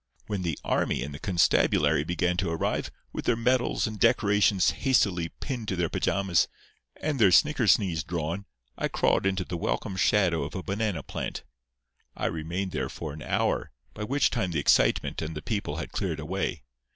When the army and the constabulary began to arrive, with their medals and decorations hastily pinned to their pajamas, and their snickersnees drawn, I crawled into the welcome shadow of a banana plant. I remained there for an hour, by which time the excitement and the people had cleared away.